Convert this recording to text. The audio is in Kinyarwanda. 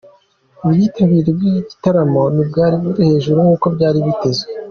Ubwitabire bw'iki gitaramo ntibwari hejuru nk'uko byari byitezwe.